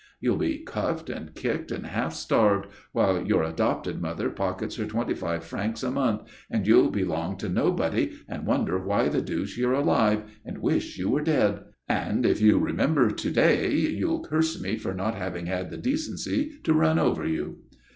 "You'll be cuffed and kicked and half starved, while your adopted mother pockets her twenty five francs a month, and you'll belong to nobody, and wonder why the deuce you're alive, and wish you were dead; and, if you remember to day, you'll curse me for not having had the decency to run over you."